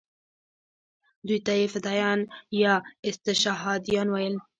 دوی ته یې فدایان یا استشهادیان ویل.